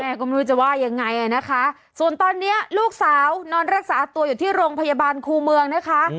ก็ไม่รู้จะว่ายังไงนะคะส่วนตอนนี้ลูกสาวนอนรักษาตัวอยู่ที่โรงพยาบาลครูเมืองนะคะ